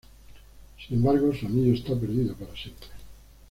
Sin embargo, su anillo está perdido para siempre.